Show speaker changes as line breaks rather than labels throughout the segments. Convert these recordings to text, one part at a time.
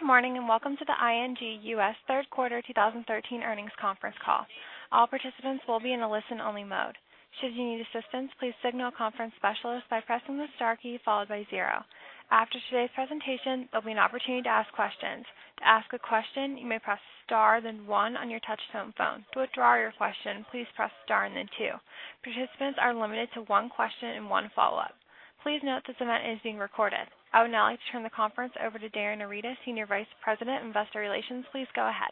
Good morning, and welcome to the ING U.S. third quarter 2013 earnings conference call. All participants will be in a listen-only mode. Should you need assistance, please signal a conference specialist by pressing the star key followed by zero. After today's presentation, there'll be an opportunity to ask questions. To ask a question, you may press star then one on your touch-tone phone. To withdraw your question, please press star and then two. Participants are limited to one question and one follow-up. Please note this event is being recorded. I would now like to turn the conference over to Darren Freado, Senior Vice President, Investor Relations. Please go ahead.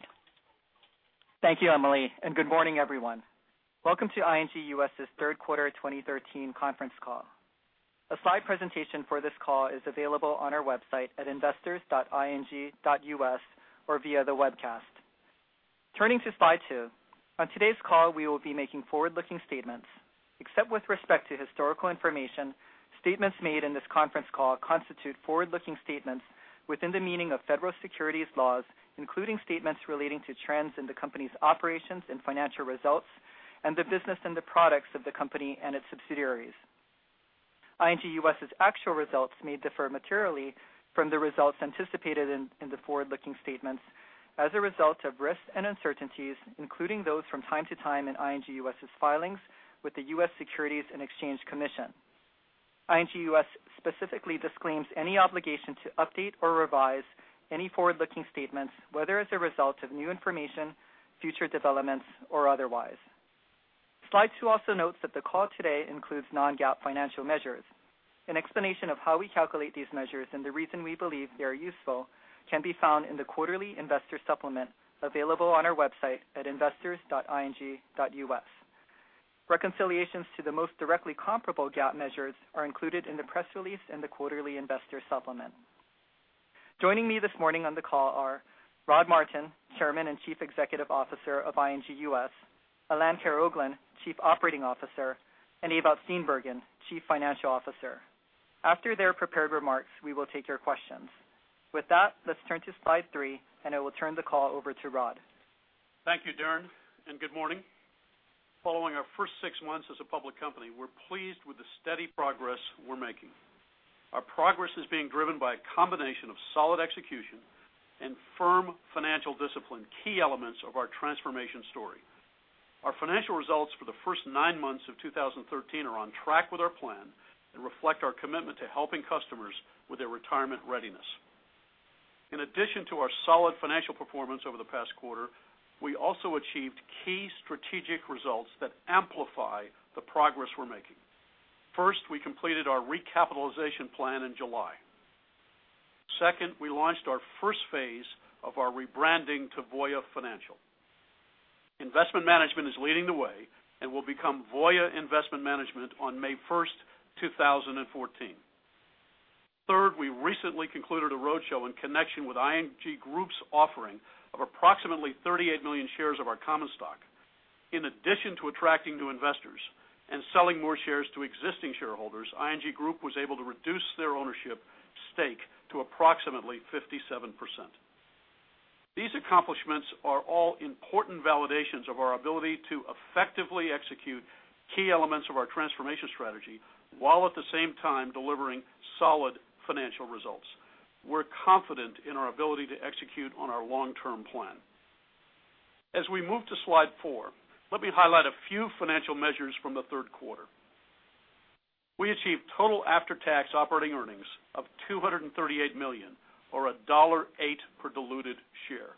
Thank you, Emily, and good morning, everyone. Welcome to ING U.S.'s third quarter 2013 conference call. A slide presentation for this call is available on our website at investors.ing.us or via the webcast. Turning to slide two. On today's call, we will be making forward-looking statements. Except with respect to historical information, statements made in this conference call constitute forward-looking statements within the meaning of Federal securities laws, including statements relating to trends in the company's operations and financial results and the business and the products of the company and its subsidiaries. ING U.S.'s actual results may differ materially from the results anticipated in the forward-looking statements as a result of risks and uncertainties, including those from time to time in ING U.S.'s filings with the U.S. Securities and Exchange Commission. ING U.S. specifically disclaims any obligation to update or revise any forward-looking statements, whether as a result of new information, future developments, or otherwise. Slide two also notes that the call today includes non-GAAP financial measures. An explanation of how we calculate these measures and the reason we believe they are useful can be found in the quarterly investor supplement, available on our website at investors.ing.us. Reconciliations to the most directly comparable GAAP measures are included in the press release in the quarterly investor supplement. Joining me this morning on the call are Rod Martin, Chairman and Chief Executive Officer of ING U.S., Alain Karaoglan, Chief Operating Officer, and Ewout Steenbergen, Chief Financial Officer. After their prepared remarks, we will take your questions. With that, let's turn to slide three, I will turn the call over to Rod.
Thank you, Darren, and good morning. Following our first six months as a public company, we're pleased with the steady progress we're making. Our progress is being driven by a combination of solid execution and firm financial discipline, key elements of our transformation story. Our financial results for the first nine months of 2013 are on track with our plan and reflect our commitment to helping customers with their retirement readiness. In addition to our solid financial performance over the past quarter, we also achieved key strategic results that amplify the progress we're making. First, we completed our recapitalization plan in July. Second, we launched our first phase of our rebranding to Voya Financial. Investment Management is leading the way and will become Voya Investment Management on May 1st, 2014. Third, we recently concluded a roadshow in connection with ING Group's offering of approximately 38 million shares of our common stock. In addition to attracting new investors and selling more shares to existing shareholders, ING Group was able to reduce their ownership stake to approximately 57%. These accomplishments are all important validations of our ability to effectively execute key elements of our transformation strategy while at the same time delivering solid financial results. We're confident in our ability to execute on our long-term plan. As we move to slide four, let me highlight a few financial measures from the third quarter. We achieved total after-tax operating earnings of $238 million, or $1.08 per diluted share.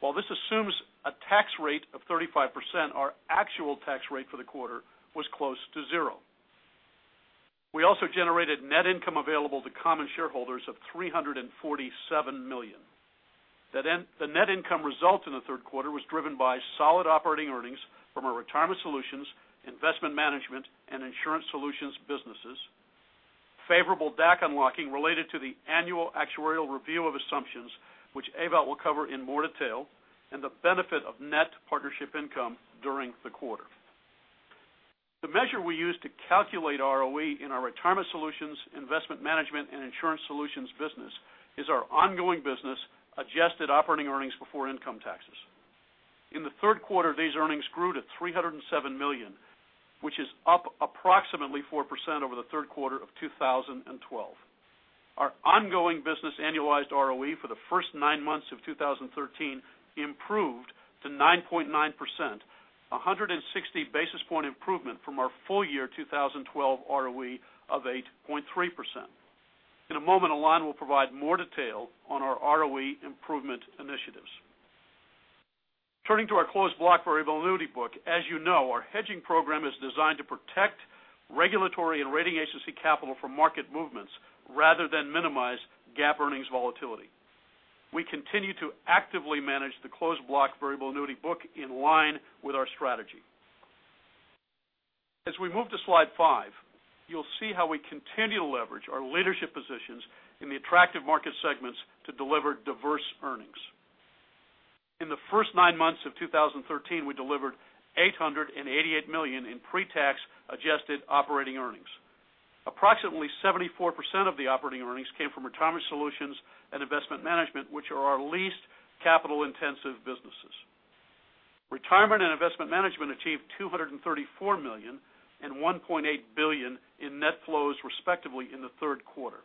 While this assumes a tax rate of 35%, our actual tax rate for the quarter was close to zero. We also generated net income available to common shareholders of $347 million. The net income result in the third quarter was driven by solid operating earnings from our Retirement Solutions, Investment Management, and Insurance Solutions businesses, favorable DAC unlocking related to the annual actuarial review of assumptions, which Ewout will cover in more detail, and the benefit of net partnership income during the quarter. The measure we use to calculate ROE in our Retirement Solutions, Investment Management, and Insurance Solutions business is our ongoing business adjusted operating earnings before income taxes. In the third quarter, these earnings grew to $307 million, which is up approximately 4% over the third quarter of 2012. Our ongoing business annualized ROE for the first nine months of 2013 improved to 9.9%, 160 basis point improvement from our full year 2012 ROE of 8.3%. In a moment, Alain will provide more detail on our ROE improvement initiatives. Turning to our closed block variable annuity book, as you know, our hedging program is designed to protect regulatory and rating agency capital from market movements rather than minimize GAAP earnings volatility. We continue to actively manage the closed block variable annuity book in line with our strategy. As we move to slide five, you'll see how we continue to leverage our leadership positions in the attractive market segments to deliver diverse earnings. In the first nine months of 2013, we delivered $888 million in pre-tax adjusted operating earnings. Approximately 74% of the operating earnings came from Retirement Solutions and Investment Management, which are our least capital-intensive businesses. Retirement and Investment Management achieved $234 million and $1.8 billion in net flows, respectively, in the third quarter.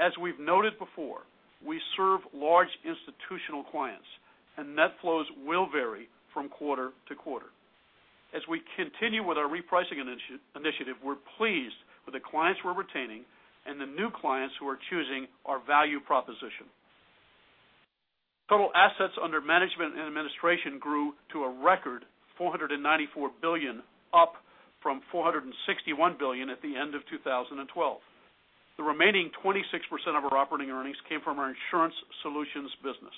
As we've noted before, we serve large institutional clients, and net flows will vary from quarter to quarter. As we continue with our repricing initiative, we're pleased with the clients we're retaining and the new clients who are choosing our value proposition. Total assets under management and administration grew to a record $494 billion, up from $461 billion at the end of 2012. The remaining 26% of our operating earnings came from our Insurance Solutions business.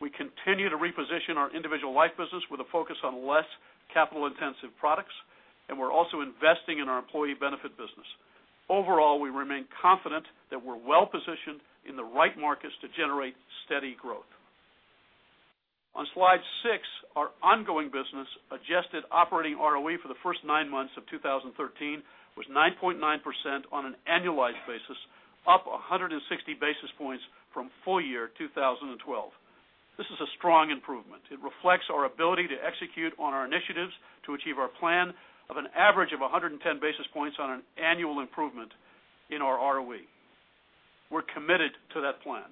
We continue to reposition our individual life business with a focus on less capital-intensive products, and we're also investing in our employee benefit business. Overall, we remain confident that we're well-positioned in the right markets to generate steady growth. On slide six, our ongoing business adjusted operating ROE for the first nine months of 2013 was 9.9% on an annualized basis, up 160 basis points from full year 2012. This is a strong improvement. It reflects our ability to execute on our initiatives to achieve our plan of an average of 110 basis points on an annual improvement in our ROE. We're committed to that plan.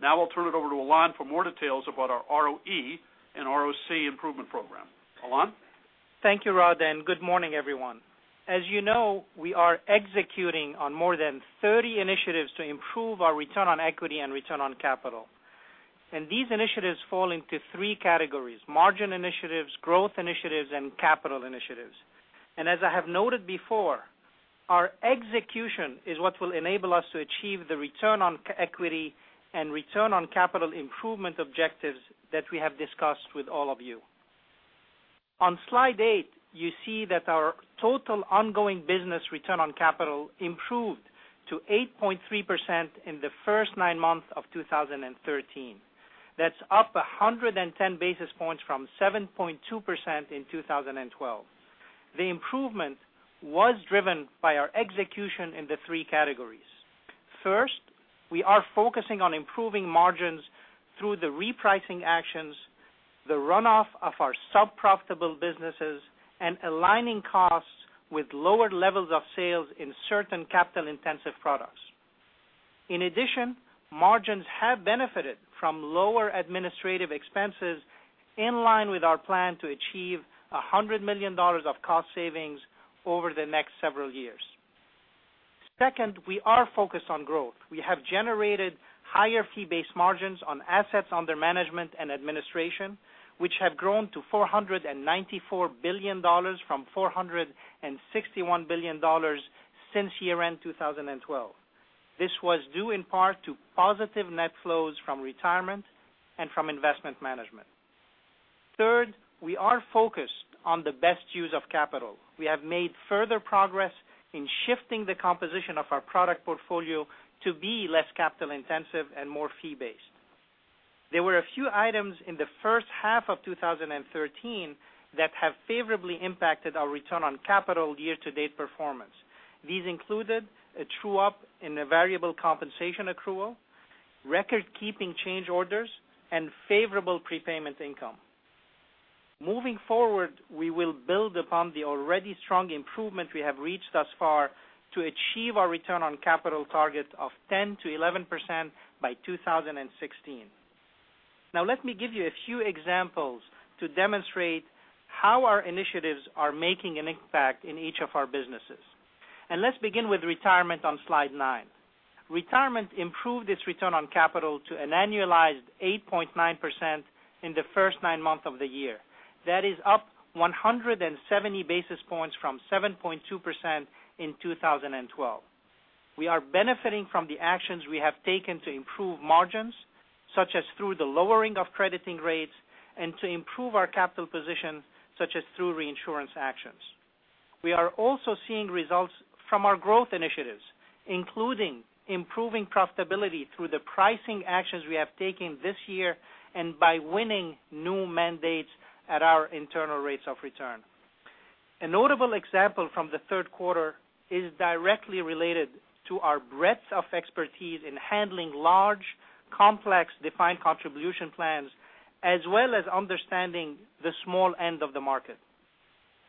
Now I'll turn it over to Alain for more details about our ROE and ROC improvement program. Alain?
Thank you, Rod, and good morning, everyone. As you know, we are executing on more than 30 initiatives to improve our return on equity and return on capital. These initiatives fall into three categories, margin initiatives, growth initiatives, and capital initiatives. As I have noted before, our execution is what will enable us to achieve the return on equity and return on capital improvement objectives that we have discussed with all of you. On slide eight, you see that our total ongoing business return on capital improved to 8.3% in the first nine months of 2013. That's up 110 basis points from 7.2% in 2012. The improvement was driven by our execution in the three categories. First, we are focusing on improving margins through the repricing actions, the runoff of our sub-profitable businesses, and aligning costs with lower levels of sales in certain capital-intensive products. In addition, margins have benefited from lower administrative expenses in line with our plan to achieve $100 million of cost savings over the next several years. Second, we are focused on growth. We have generated higher fee-based margins on assets under management and administration, which have grown to $494 billion from $461 billion since year-end 2012. This was due in part to positive net flows from Retirement and from Investment Management. Third, we are focused on the best use of capital. We have made further progress in shifting the composition of our product portfolio to be less capital-intensive and more fee-based. There were a few items in the first half of 2013 that have favorably impacted our return on capital year-to-date performance. These included a true-up in the variable compensation accrual, record-keeping change orders, and favorable prepayment income. Moving forward, we will build upon the already strong improvement we have reached thus far to achieve our return on capital target of 10%-11% by 2016. Now, let me give you a few examples to demonstrate how our initiatives are making an impact in each of our businesses. Let's begin with Retirement on slide nine. Retirement improved its return on capital to an annualized 8.9% in the first nine months of the year. That is up 170 basis points from 7.2% in 2012. We are benefiting from the actions we have taken to improve margins, such as through the lowering of crediting rates and to improve our capital position, such as through reinsurance actions. We are also seeing results from our growth initiatives, including improving profitability through the pricing actions we have taken this year and by winning new mandates at our internal rates of return. A notable example from the third quarter is directly related to our breadth of expertise in handling large, complex defined contribution plans, as well as understanding the small end of the market.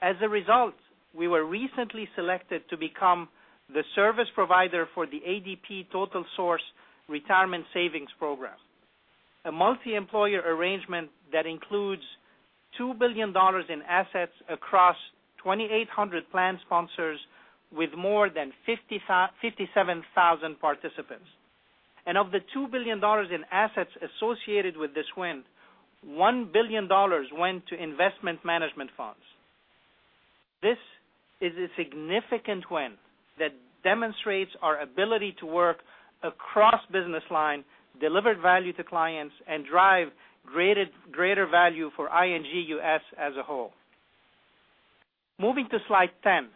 As a result, we were recently selected to become the service provider for the ADP TotalSource Retirement Savings Program, a multi-employer arrangement that includes $2 billion in assets across 2,800 plan sponsors with more than 57,000 participants. Of the $2 billion in assets associated with this win, $1 billion went to Investment Management funds. This is a significant win that demonstrates our ability to work across business line, deliver value to clients, and drive greater value for ING U.S. as a whole. Moving to slide 10,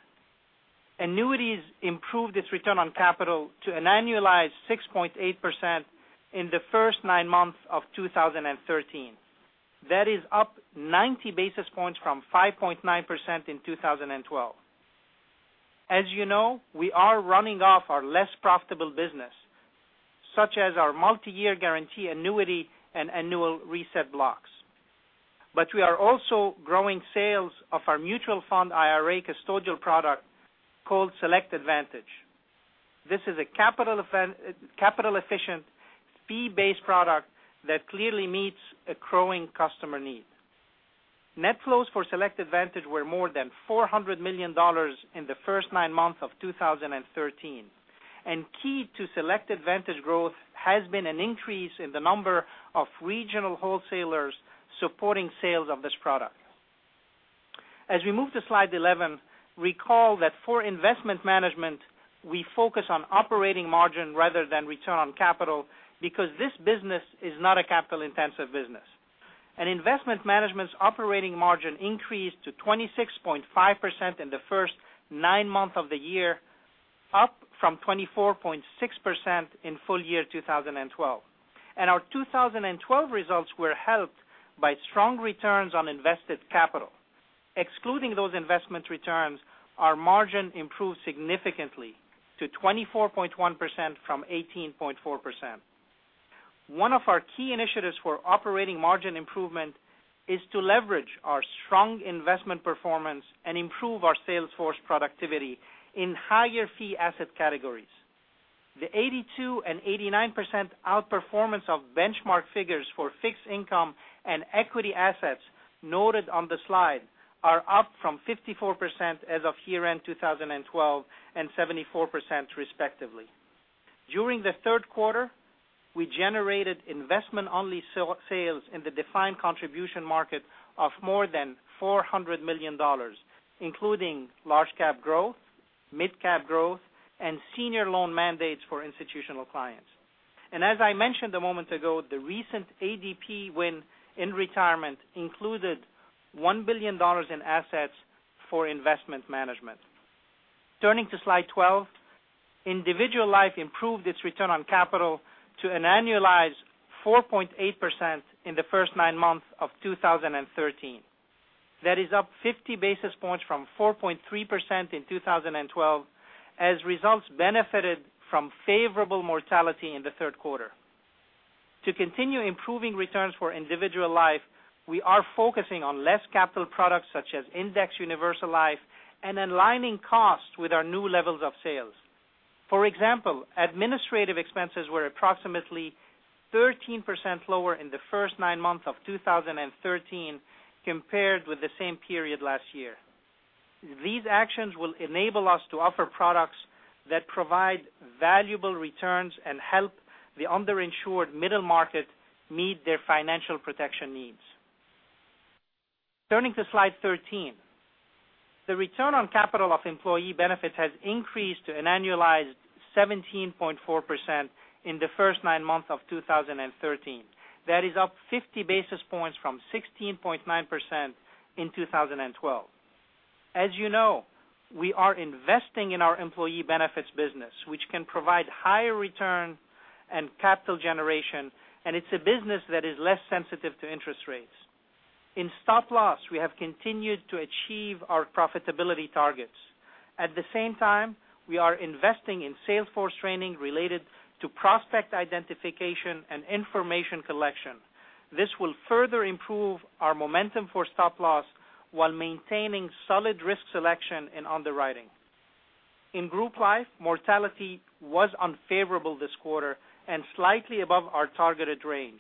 Annuities improved its return on capital to an annualized 6.8% in the first nine months of 2013. That is up 90 basis points from 5.9% in 2012. As you know, we are running off our less profitable business, such as our multi-year guarantee annuity and annual reset blocks. We are also growing sales of our mutual fund IRA custodial product called Select Advantage. This is a capital-efficient, fee-based product that clearly meets a growing customer need. Net flows for Select Advantage were more than $400 million in the first nine months of 2013. Key to Select Advantage growth has been an increase in the number of regional wholesalers supporting sales of this product. As we move to slide 11, recall that for Investment Management, we focus on operating margin rather than return on capital because this business is not a capital-intensive business. Investment Management's operating margin increased to 26.5% in the first nine months of the year, up from 24.6% in full year 2012. Our 2012 results were helped by strong returns on invested capital. Excluding those investment returns, our margin improved significantly to 24.1% from 18.4%. One of our key initiatives for operating margin improvement is to leverage our strong investment performance and improve our sales force productivity in higher fee asset categories. The 82% and 89% outperformance of benchmark figures for fixed income and equity assets noted on the slide are up from 54% as of year-end 2012 and 74%, respectively. During the third quarter, we generated investment-only sales in the defined contribution market of more than $400 million, including large cap growth, mid-cap growth, and senior loan mandates for institutional clients. As I mentioned a moment ago, the recent ADP win in retirement included $1 billion in assets for Investment Management. Turning to slide 12, individual life improved its return on capital to an annualized 4.8% in the first nine months of 2013. That is up 50 basis points from 4.3% in 2012, as results benefited from favorable mortality in the third quarter. To continue improving returns for individual life, we are focusing on less capital products such as index universal life and aligning costs with our new levels of sales. For example, administrative expenses were approximately 13% lower in the first nine months of 2013 compared with the same period last year. These actions will enable us to offer products that provide valuable returns and help the underinsured middle market meet their financial protection needs. Turning to slide 13, the return on capital of employee benefits has increased to an annualized 17.4% in the first nine months of 2013. That is up 50 basis points from 16.9% in 2012. As you know, we are investing in our employee benefits business, which can provide higher return and capital generation, and it's a business that is less sensitive to interest rates. In stop loss, we have continued to achieve our profitability targets. At the same time, we are investing in sales force training related to prospect identification and information collection. This will further improve our momentum for stop loss while maintaining solid risk selection in underwriting. In group life, mortality was unfavorable this quarter and slightly above our targeted range.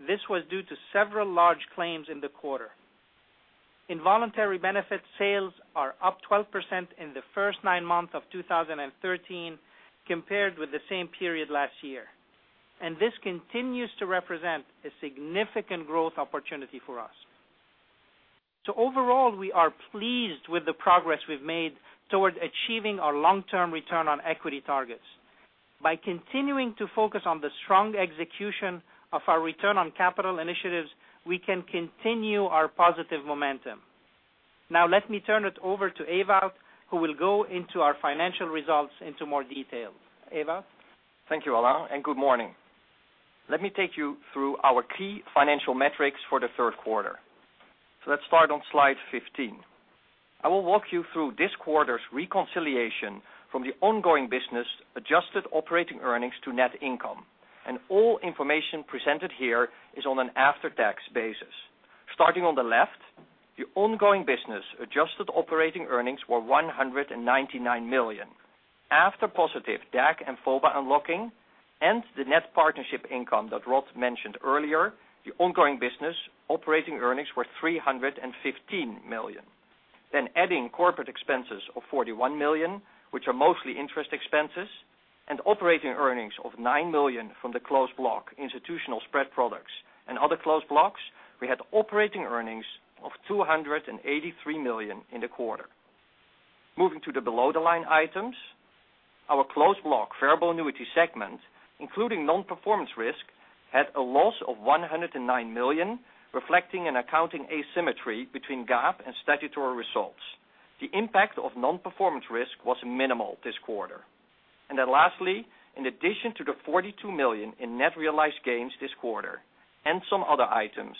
This was due to several large claims in the quarter. Voluntary benefits sales are up 12% in the first nine months of 2013 compared with the same period last year. This continues to represent a significant growth opportunity for us. Overall, we are pleased with the progress we've made towards achieving our long-term return on equity targets. By continuing to focus on the strong execution of our return on capital initiatives, we can continue our positive momentum. Let me turn it over to Ewout, who will go into our financial results into more detail. Ewout?
Thank you, Alain, good morning. Let me take you through our key financial metrics for the third quarter. Let's start on slide 15. I will walk you through this quarter's reconciliation from the ongoing business adjusted operating earnings to net income, all information presented here is on an after-tax basis. Starting on the left, the ongoing business adjusted operating earnings were $199 million. After positive DAC and FOBA unlocking and the net partnership income that Rod mentioned earlier, the ongoing business operating earnings were $315 million. Adding corporate expenses of $41 million, which are mostly interest expenses, and operating earnings of $9 million from the closed block institutional spread products and other closed blocks, we had operating earnings of $283 million in the quarter. Moving to the below the line items, our closed block variable annuity segment, including non-performance risk, had a loss of $109 million, reflecting an accounting asymmetry between GAAP and statutory results. The impact of non-performance risk was minimal this quarter. Lastly, in addition to the $42 million in net realized gains this quarter and some other items,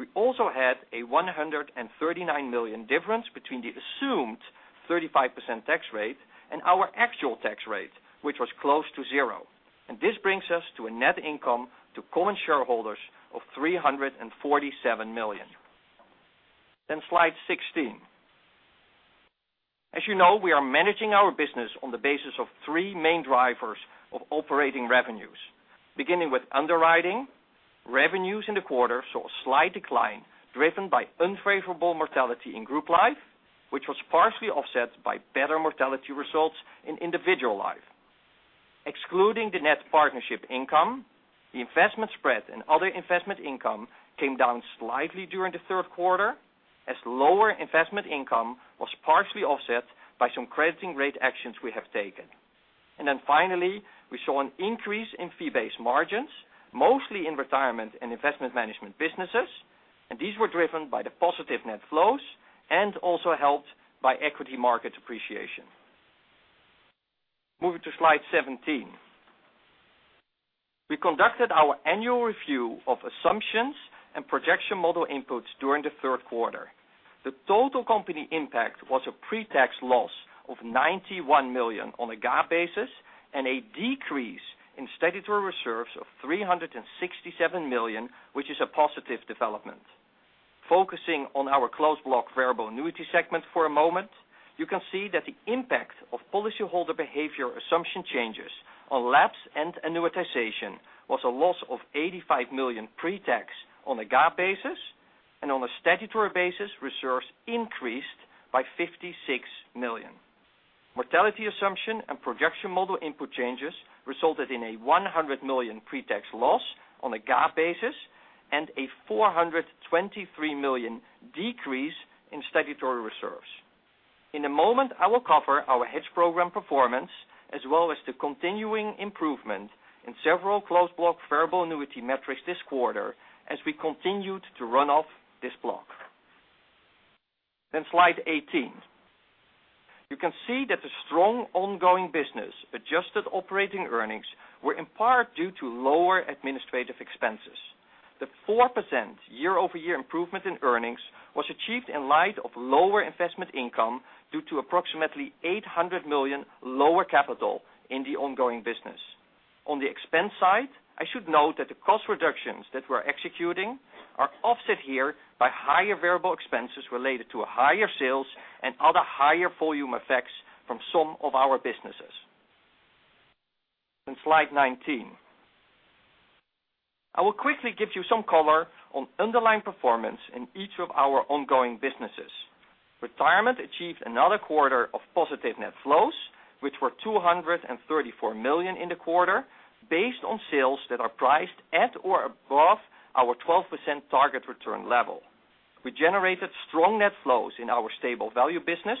we also had a $139 million difference between the assumed 35% tax rate and our actual tax rate, which was close to zero. This brings us to a net income to common shareholders of $347 million. Slide 16. As you know, we are managing our business on the basis of three main drivers of operating revenues. Beginning with underwriting, revenues in the quarter saw a slight decline driven by unfavorable mortality in group life, which was partially offset by better mortality results in individual life. Excluding the net partnership income, the investment spread and other investment income came down slightly during the third quarter as lower investment income was partially offset by some crediting rate actions we have taken. Finally, we saw an increase in fee-based margins, mostly in Retirement Solutions and Investment Management businesses, and these were driven by the positive net flows and also helped by equity market appreciation. Moving to slide 17. We conducted our annual review of assumptions and projection model inputs during the third quarter. The total company impact was a pre-tax loss of $91 million on a GAAP basis and a decrease in statutory reserves of $367 million, which is a positive development. Focusing on our closed block variable annuity segment for a moment, you can see that the impact of policyholder behavior assumption changes on lapse and annuitization was a loss of $85 million pre-tax on a GAAP basis, and on a statutory basis, reserves increased by $56 million. Mortality assumption and projection model input changes resulted in a $100 million pre-tax loss on a GAAP basis and a $423 million decrease in statutory reserves. In a moment, I will cover our hedge program performance as well as the continuing improvement in several closed block variable annuity metrics this quarter as we continued to run off this block. Slide 18. You can see that the strong ongoing business adjusted operating earnings were in part due to lower administrative expenses. The 4% year-over-year improvement in earnings was achieved in light of lower investment income due to approximately $800 million lower capital in the ongoing business. On the expense side, I should note that the cost reductions that we're executing are offset here by higher variable expenses related to higher sales and other higher volume effects from some of our businesses. Slide 19. I will quickly give you some color on underlying performance in each of our ongoing businesses. Retirement Solutions achieved another quarter of positive net flows, which were $234 million in the quarter, based on sales that are priced at or above our 12% target return level. We generated strong net flows in our stable value business,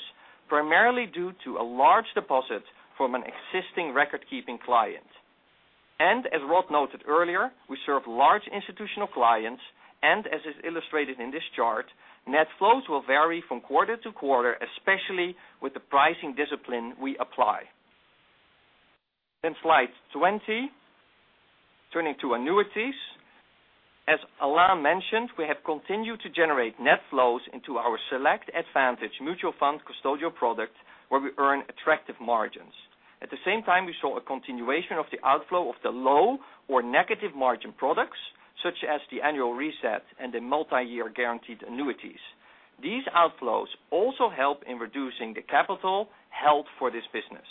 primarily due to a large deposit from an existing record-keeping client. As Rod noted earlier, we serve large institutional clients, and as is illustrated in this chart, net flows will vary from quarter to quarter, especially with the pricing discipline we apply. Slide 20. Turning to annuities. As Alain mentioned, we have continued to generate net flows into our Select Advantage mutual fund custodial product, where we earn attractive margins. At the same time, we saw a continuation of the outflow of the low or negative margin products, such as the annual reset and the multi-year guaranteed annuities. These outflows also help in reducing the capital held for this business.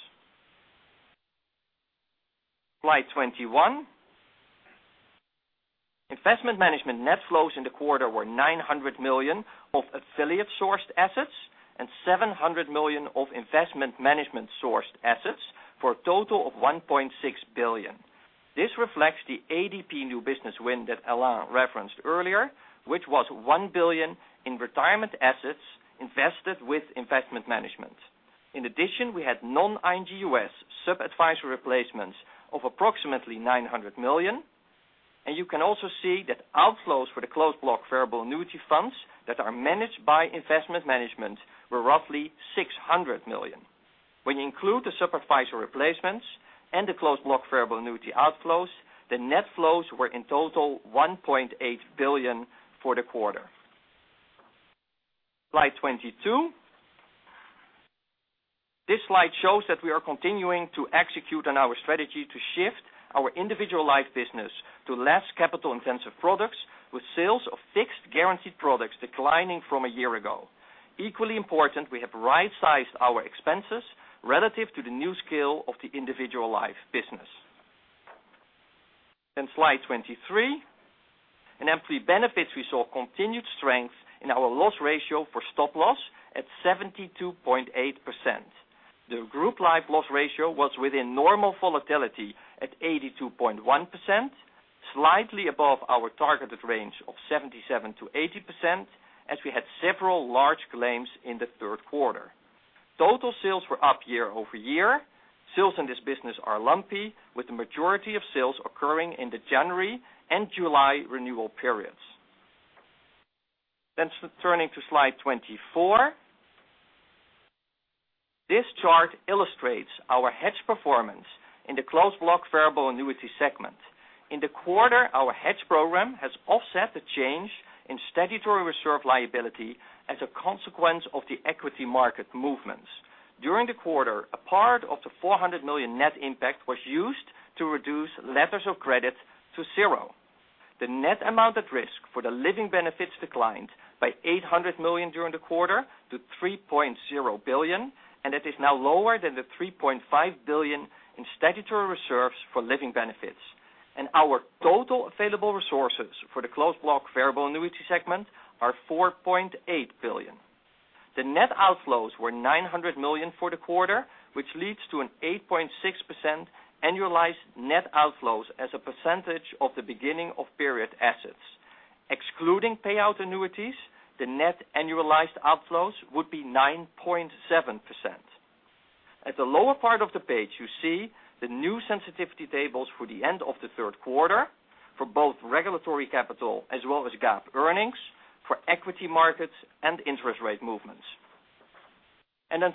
Slide 21. Investment Management net flows in the quarter were $900 million of affiliate-sourced assets and $700 million of investment management-sourced assets, for a total of $1.6 billion. This reflects the ADP new business win that Alain referenced earlier, which was $1 billion in retirement assets invested with Investment Management. In addition, we had non-ING U.S. sub-advisory replacements of approximately $900 million, and you can also see that outflows for the closed block variable annuity funds that are managed by Investment Management were roughly $600 million. When you include the sub-advisory replacements and the closed block variable annuity outflows, the net flows were in total $1.8 billion for the quarter. Slide 22. This slide shows that we are continuing to execute on our strategy to shift our individual life business to less capital-intensive products with sales of fixed guaranteed products declining from a year ago. Equally important, we have right-sized our expenses relative to the new scale of the individual life business. Slide 23. In employee benefits, we saw continued strength in our loss ratio for stop loss at 72.8%. The group life loss ratio was within normal volatility at 82.1%, slightly above our targeted range of 77%-80%, as we had several large claims in the third quarter. Total sales were up year-over-year. Sales in this business are lumpy, with the majority of sales occurring in the January and July renewal periods. Turning to slide 24. This chart illustrates our hedge performance in the closed block variable annuity segment. In the quarter, our hedge program has offset the change in statutory reserve liability as a consequence of the equity market movements. During the quarter, a part of the $400 million net impact was used to reduce letters of credit to zero. The net amount at risk for the living benefits declined by $800 million during the quarter to $3.0 billion, and it is now lower than the $3.5 billion in statutory reserves for living benefits. Our total available resources for the closed block variable annuity segment are $4.8 billion. The net outflows were $900 million for the quarter, which leads to an 8.6% annualized net outflows as a percentage of the beginning of period assets. Excluding payout annuities, the net annualized outflows would be 9.7%. At the lower part of the page, you see the new sensitivity tables for the end of the third quarter for both regulatory capital as well as GAAP earnings for equity markets and interest rate movements.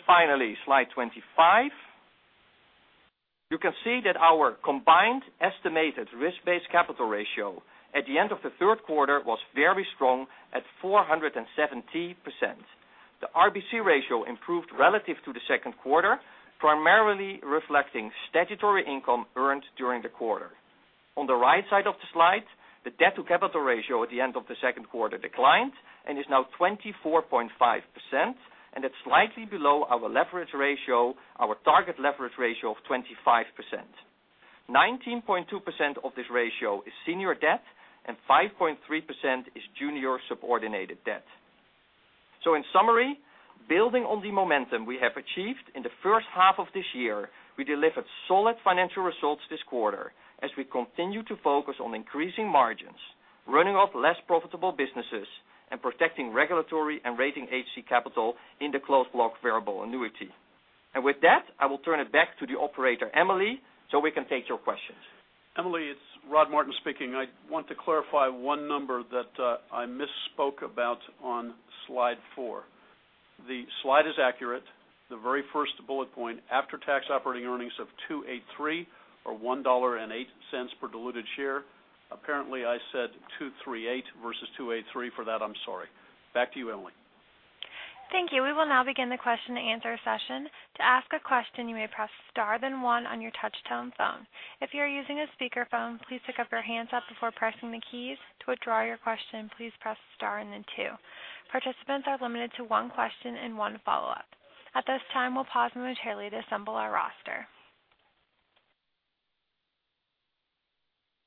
Finally, slide 25. You can see that our combined estimated risk-based capital ratio at the end of the third quarter was very strong at 470%. The RBC ratio improved relative to the second quarter, primarily reflecting statutory income earned during the quarter. On the right side of the slide, the debt-to-capital ratio at the end of the second quarter declined and is now 24.5%, and it's slightly below our target leverage ratio of 25%. 19.2% of this ratio is senior debt, and 5.3% is junior subordinated debt. In summary, building on the momentum we have achieved in the first half of this year, we delivered solid financial results this quarter as we continue to focus on increasing margins, running off less profitable businesses, and protecting regulatory and rating agency capital in the closed block variable annuity. With that, I will turn it back to the operator, Emily, so we can take your questions.
Emily, it's Rod Martin speaking. I want to clarify one number that I misspoke about on slide four. The slide is accurate. The very first bullet point, after-tax operating earnings of $2.83 or $1.08 per diluted share. Apparently, I said $2.38 versus $2.83. For that, I'm sorry. Back to you, Emily.
Thank you. We will now begin the question and answer session. To ask a question, you may press star, then one on your touch-tone phone. If you're using a speakerphone, please pick up your handset before pressing the keys. To withdraw your question, please press star and then two. Participants are limited to one question and one follow-up. At this time, we'll pause momentarily to assemble our roster.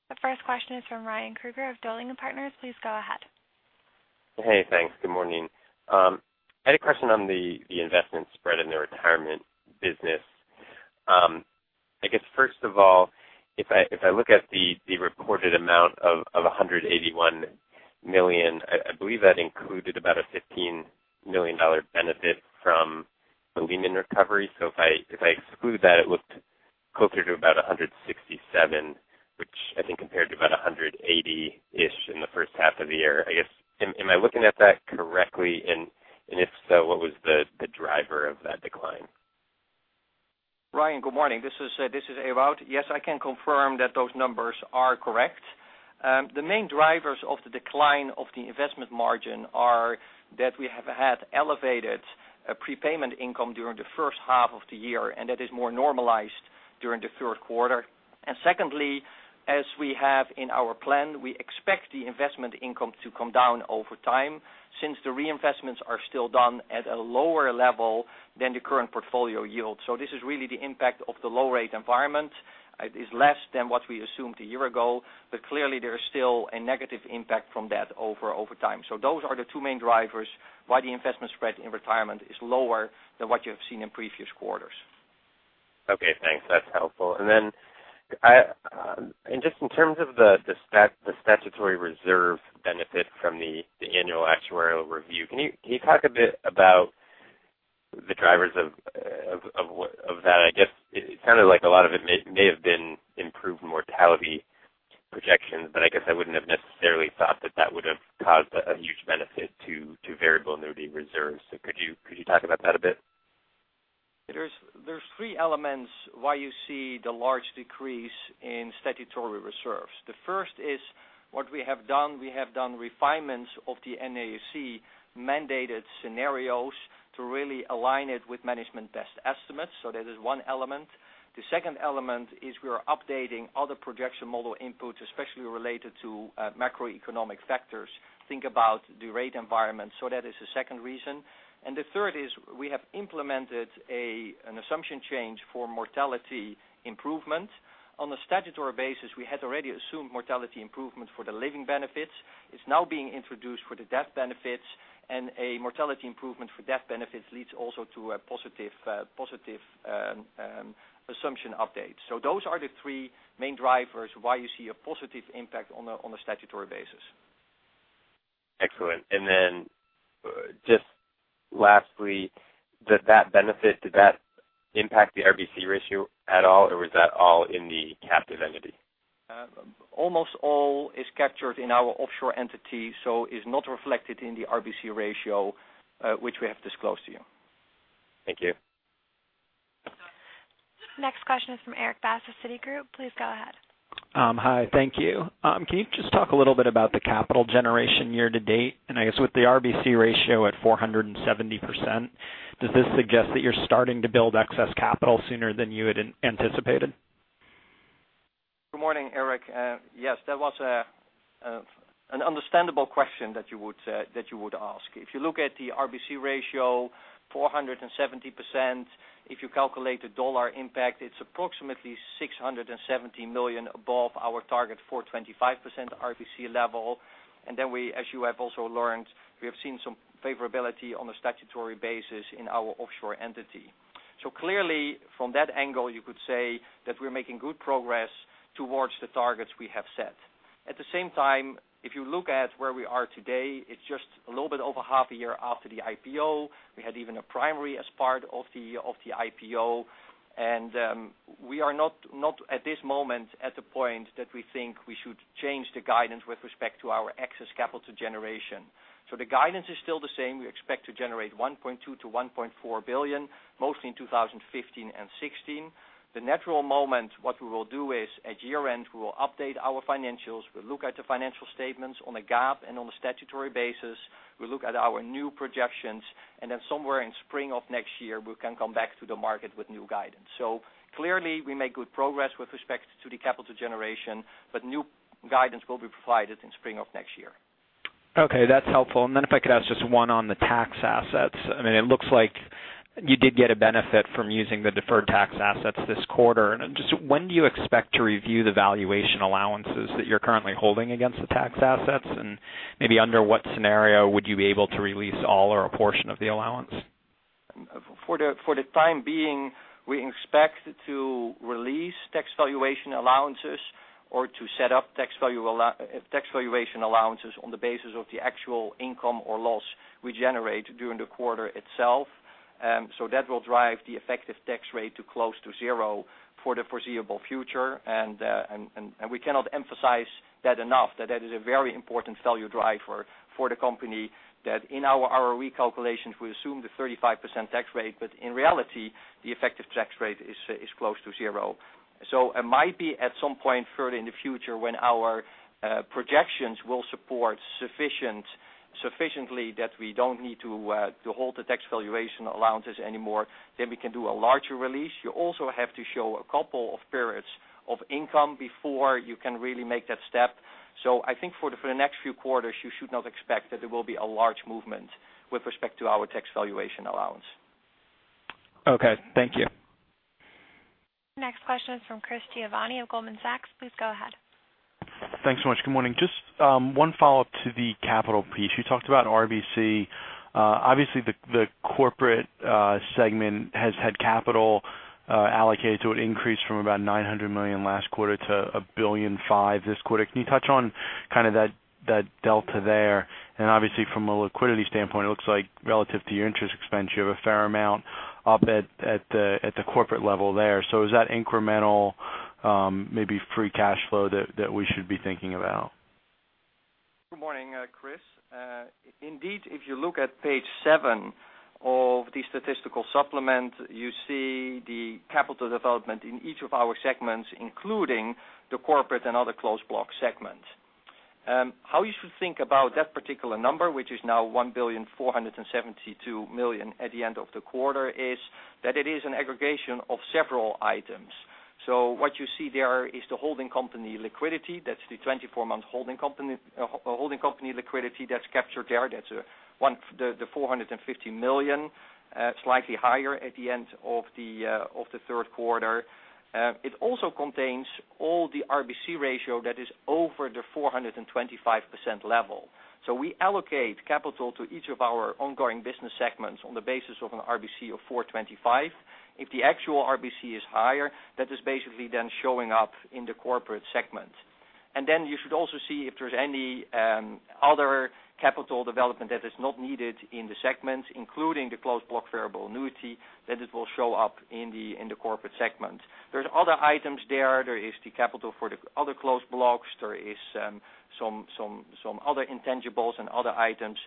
The first question is from Ryan Krueger of Dowling & Partners. Please go ahead.
Hey, thanks. Good morning. I had a question on the investment spread in the retirement business. I guess first of all, if I look at the reported amount of $181 million, I believe that included about a $15 million benefit from the Lehman recovery. If I exclude that, it looked closer to about $167, which I think compared to about 180-ish in the first half of the year. I guess, am I looking at that correctly? If so, what was the driver of that decline?
Ryan, good morning. This is Ewout. Yes, I can confirm that those numbers are correct. The main drivers of the decline of the investment margin are that we have had elevated prepayment income during the first half of the year, and that is more normalized during the third quarter. Secondly, as we have in our plan, we expect the investment income to come down over time since the reinvestments are still done at a lower level than the current portfolio yield. This is really the impact of the low rate environment. It is less than what we assumed a year ago, but clearly there is still a negative impact from that over time. Those are the two main drivers why the investment spread in retirement is lower than what you have seen in previous quarters.
Okay, thanks. That is helpful. Just in terms of the statutory reserve benefit from the Annual Actuarial Review, can you talk a bit about the drivers of that? I guess it sounded like a lot of it may have been improved mortality projections, but I guess I wouldn't have necessarily thought that that would have caused a huge benefit to variable annuity reserves. Could you talk about that a bit?
There's three elements why you see the large decrease in statutory reserves. The first is what we have done. We have done refinements of the NAIC mandated scenarios to really align it with management best estimates. That is one element. The second element is we are updating other projection model inputs, especially related to macroeconomic factors. Think about the rate environment. That is the second reason. The third is we have implemented an assumption change for mortality improvement. On a statutory basis, we had already assumed mortality improvements for the living benefits. It's now being introduced for the death benefits, a mortality improvement for death benefits leads also to a positive assumption update. Those are the three main drivers why you see a positive impact on a statutory basis.
Excellent. Lastly, did that benefit impact the RBC ratio at all, or was that all in the captive entity?
Almost all is captured in our offshore entity, so it's not reflected in the RBC ratio, which we have disclosed to you.
Thank you.
Next question is from Erik Bass of Citigroup. Please go ahead.
Hi. Thank you. Can you just talk a little bit about the capital generation year-to-date? I guess with the RBC ratio at 470%, does this suggest that you're starting to build excess capital sooner than you had anticipated?
Good morning, Erik. Yes, that was an understandable question that you would ask. If you look at the RBC ratio, 470%. If you calculate the dollar impact, it's approximately $670 million above our target 425% RBC level. Then we, as you have also learned, we have seen some favorability on a statutory basis in our offshore entity. Clearly, from that angle, you could say that we're making good progress towards the targets we have set. At the same time, if you look at where we are today, it's just a little bit over half a year after the IPO. We had even a primary as part of the IPO. We are not at this moment at the point that we think we should change the guidance with respect to our excess capital generation. The guidance is still the same. We expect to generate $1.2 billion to $1.4 billion, mostly in 2015 and 2016. The natural moment, what we will do is at year-end, we will update our financials. We will look at the financial statements on a GAAP and on a statutory basis. We will look at our new projections, then somewhere in spring of next year, we can come back to the market with new guidance. Clearly, we make good progress with respect to the capital generation, new guidance will be provided in spring of next year.
Okay. That is helpful. Then if I could ask just one on the tax assets. It looks like you did get a benefit from using the deferred tax assets this quarter. Just when do you expect to review the valuation allowances that you are currently holding against the tax assets? Maybe under what scenario would you be able to release all or a portion of the allowance?
For the time being, we expect to release tax valuation allowances or to set up tax valuation allowances on the basis of the actual income or loss we generate during the quarter itself. That will drive the effective tax rate to close to zero for the foreseeable future. We cannot emphasize that enough. That is a very important value driver for the company, that in our recalculations, we assume the 35% tax rate, in reality, the effective tax rate is close to zero. It might be at some point further in the future when our projections will support sufficiently that we do not need to hold the tax valuation allowances anymore, then we can do a larger release. You also have to show a couple of periods of income before you can really make that step. I think for the next few quarters, you should not expect that there will be a large movement with respect to our tax valuation allowance.
Okay. Thank you.
Next question is from Chris Giovanni of Goldman Sachs. Please go ahead.
Thanks so much. Good morning. Just one follow-up to the capital piece. You talked about RBC. Obviously, the corporate segment has had capital allocated to it increased from about $900 million last quarter to $1.5 billion this quarter. Can you touch on that delta there? Obviously, from a liquidity standpoint, it looks like relative to your interest expense, you have a fair amount up at the corporate level there. Is that incremental, maybe free cash flow that we should be thinking about?
Good morning, Chris. Indeed, if you look at page seven of the statistical supplement, you see the capital development in each of our segments, including the Corporate and Other Closed Block segments. How you should think about that particular number, which is now $1,472,000,000 at the end of the quarter, is that it is an aggregation of several items. What you see there is the holding company liquidity. That's the 24-month holding company liquidity that's captured there. That's the $450 million, slightly higher at the end of the third quarter. It also contains all the RBC ratio that is over the 425% level. We allocate capital to each of our ongoing business segments on the basis of an RBC of 425. If the actual RBC is higher, that is basically then showing up in the corporate segment. You should also see if there's any other capital development that is not needed in the segments, including the closed block variable annuity, that it will show up in the corporate segment. There's other items there. There is the capital for the other closed blocks. There is some other intangibles and other items.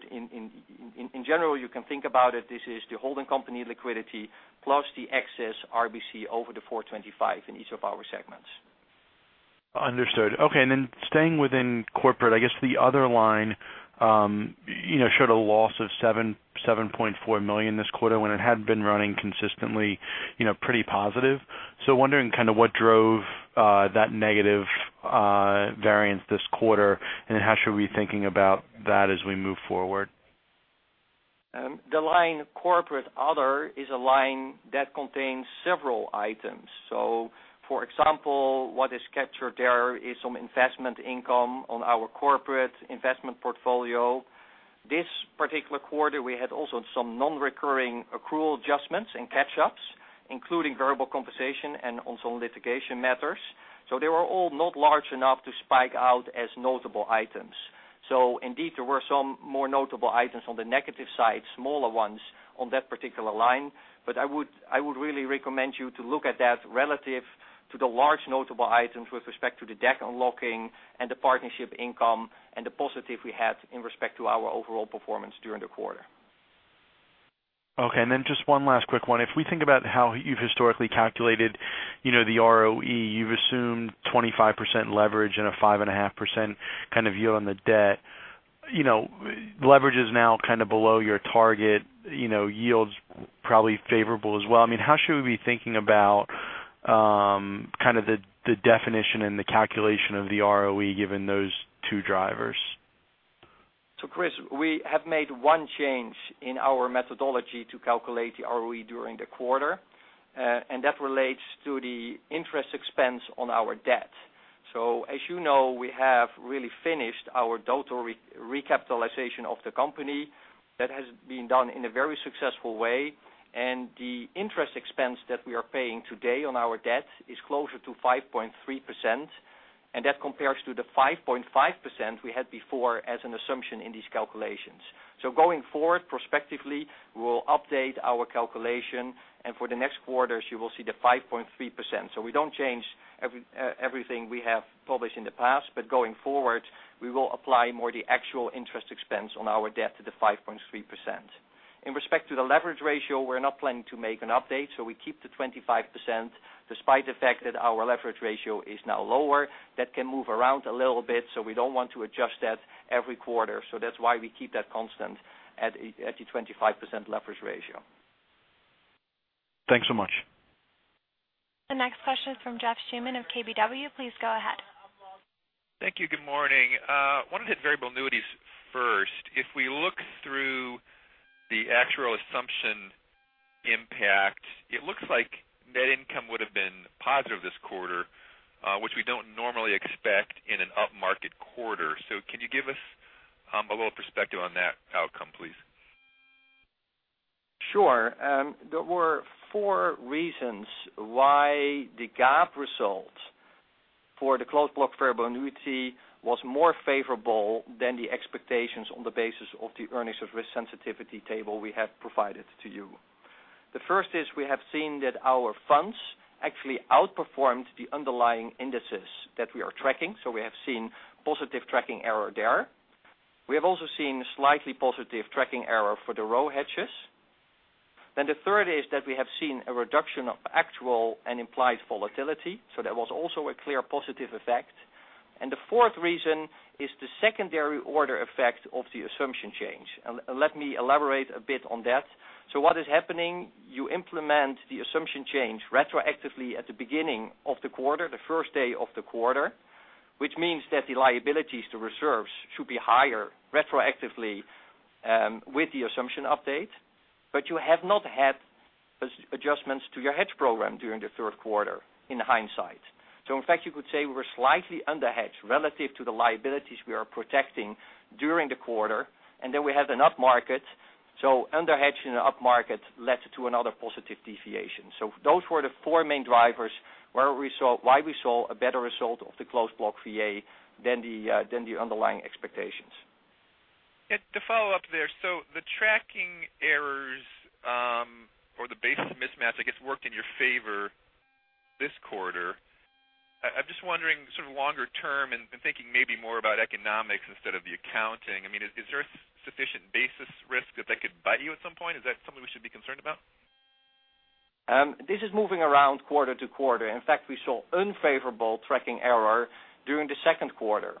In general, you can think about it, this is the holding company liquidity plus the excess RBC over the 425 in each of our segments.
Understood. Staying within corporate, I guess the other line showed a loss of $7.4 million this quarter when it had been running consistently pretty positive. Wondering what drove that negative variance this quarter, and how should we be thinking about that as we move forward?
The line corporate other is a line that contains several items. For example, what is captured there is some investment income on our corporate investment portfolio. This particular quarter, we had also some non-recurring accrual adjustments and catch-ups. Including variable compensation and on some litigation matters. They were all not large enough to spike out as notable items. Indeed, there were some more notable items on the negative side, smaller ones on that particular line. I would really recommend you to look at that relative to the large notable items with respect to the DAC unlocking and the partnership income and the positive we had in respect to our overall performance during the quarter.
Just one last quick one. If we think about how you've historically calculated the ROE, you've assumed 25% leverage and a 5.5% kind of yield on the debt. Leverage is now kind of below your target, yield's probably favorable as well. How should we be thinking about the definition and the calculation of the ROE given those two drivers?
Chris, we have made one change in our methodology to calculate the ROE during the quarter. That relates to the interest expense on our debt. As you know, we have really finished our total recapitalization of the company. That has been done in a very successful way. The interest expense that we are paying today on our debt is closer to 5.3%, and that compares to the 5.5% we had before as an assumption in these calculations. Going forward, prospectively, we'll update our calculation, and for the next quarters, you will see the 5.3%. We don't change everything we have published in the past, but going forward, we will apply more the actual interest expense on our debt to the 5.3%. In respect to the leverage ratio, we're not planning to make an update, we keep the 25% despite the fact that our leverage ratio is now lower. That can move around a little bit, we don't want to adjust that every quarter. That's why we keep that constant at the 25% leverage ratio.
Thanks so much.
The next question is from Jeff Schuman of KBW. Please go ahead.
Thank you. Good morning. Wanted to hit variable annuities first. If we look through the actual assumption impact, it looks like net income would have been positive this quarter, which we don't normally expect in an upmarket quarter. Can you give us a little perspective on that outcome, please?
Sure. There were four reasons why the GAAP result for the closed block variable annuity was more favorable than the expectations on the basis of the earnings of risk sensitivity table we have provided to you. The first is we have seen that our funds actually outperformed the underlying indices that we are tracking. We have seen positive tracking error there. We have also seen slightly positive tracking error for the rho hedges. The third is that we have seen a reduction of actual and implied volatility. That was also a clear positive effect. The fourth reason is the secondary order effect of the assumption change. Let me elaborate a bit on that. What is happening, you implement the assumption change retroactively at the beginning of the quarter, the first day of the quarter, which means that the liabilities to reserves should be higher retroactively, with the assumption update. You have not had adjustments to your hedge program during the third quarter in hindsight. In fact, you could say we were slightly under-hedged relative to the liabilities we are protecting during the quarter, and then we had an upmarket. Under-hedging an upmarket led to another positive deviation. Those were the four main drivers why we saw a better result of the closed block VA than the underlying expectations.
Yeah. To follow up there, the tracking errors, or the basis mismatch, I guess, worked in your favor this quarter. I'm just wondering sort of longer term and thinking maybe more about economics instead of the accounting. Is there a sufficient basis risk that that could bite you at some point? Is that something we should be concerned about?
This is moving around quarter to quarter. In fact, we saw unfavorable tracking error during the second quarter.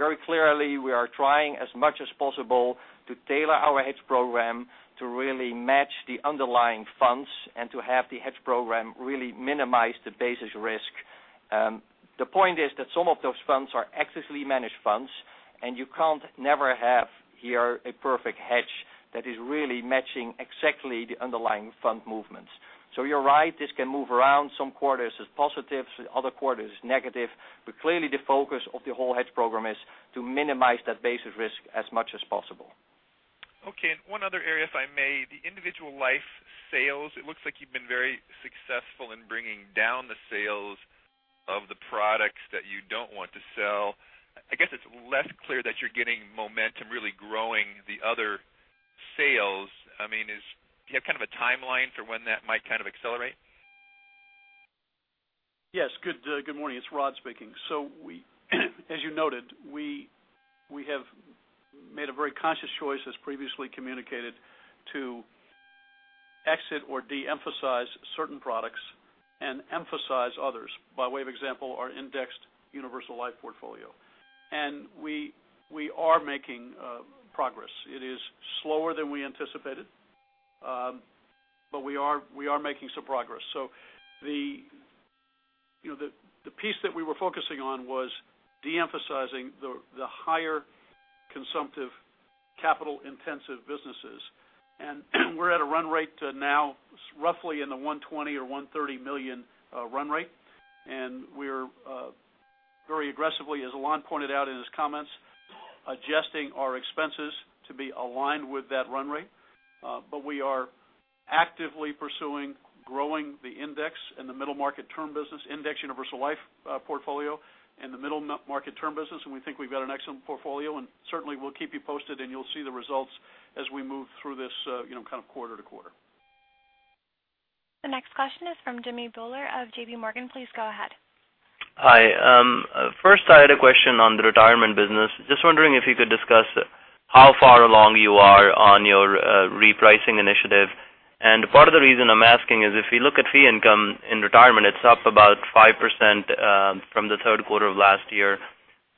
Very clearly, we are trying as much as possible to tailor our hedge program to really match the underlying funds and to have the hedge program really minimize the basis risk. The point is that some of those funds are actively managed funds, and you can never have here a perfect hedge that is really matching exactly the underlying fund movements. You're right, this can move around. Some quarters it's positive, other quarters it's negative. Clearly the focus of the whole hedge program is to minimize that basis risk as much as possible.
Okay. One other area, if I may. The individual life sales, it looks like you've been very successful in bringing down the sales of the products that you don't want to sell. I guess it's less clear that you're getting momentum really growing the other sales. Do you have kind of a timeline for when that might accelerate?
Yes. Good morning. It's Rod speaking. As you noted, we have made a very conscious choice, as previously communicated, to exit or de-emphasize certain products and emphasize others, by way of example, our indexed universal life portfolio. We are making progress. It is slower than we anticipated. We are making some progress. The piece that we were focusing on was de-emphasizing the higher consumptive capital-intensive businesses. We're at a run rate to now roughly in the $120 million or $130 million run rate. We're very aggressively, as Alain pointed out in his comments, adjusting our expenses to be aligned with that run rate. We are actively pursuing growing the index in the middle market term business indexed universal life portfolio and the middle market term business, we think we've got an excellent portfolio, certainly we'll keep you posted, you'll see the results as we move through this kind of quarter to quarter.
The next question is from Jimmy Bhullar of J.P. Morgan. Please go ahead.
Hi. First I had a question on the retirement business. Just wondering if you could discuss how far along you are on your repricing initiative. Part of the reason I'm asking is if you look at fee income in retirement, it's up about 5% from the third quarter of last year,